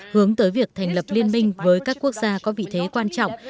hướng tới việc thành lập liên minh với các quốc gia có vị thế quan trọng